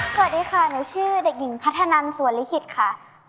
สวัสดีค่ะหนูชื่อเด็กหญิงพัฒนันสวนลิขิตค่ะ